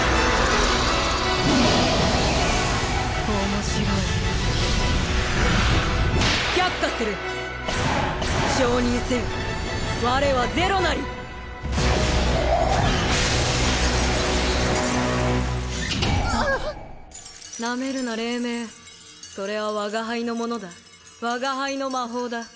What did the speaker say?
面白い却下する承認せよ我はゼロなりあっなめるな黎明それは我が輩のものだ我が輩の魔法だ